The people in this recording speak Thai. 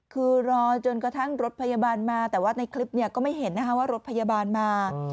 คือรอจนกระทั่งรถพยาบาลมาแต่ว่าในคลิปก็ไม่เห็นนะคะว่ารถพยาบาลมา